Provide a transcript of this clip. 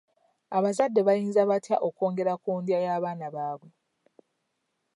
Abazadde bayinza batya okwongera ku ndya y'abaana baabwe?